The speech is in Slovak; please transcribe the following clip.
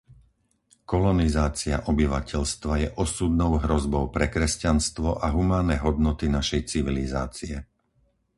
Kolonizácia obyvateľstva je osudnou hrozbou pre kresťanstvo a humánne hodnoty našej civilizácie.